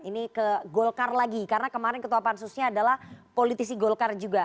ini ke golkar lagi karena kemarin ketua pansusnya adalah politisi golkar juga